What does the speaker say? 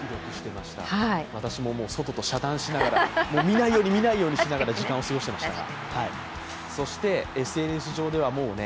私も外と遮断しながら、見ないように見ないように時間を過ごしてましたが。